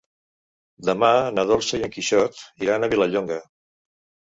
Demà na Dolça i en Quixot iran a Vilallonga.